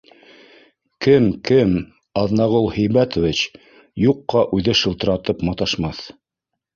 Кем-кем, Аҙнағол Һибәтович юҡҡа үҙе шылтыратып маташмаҫ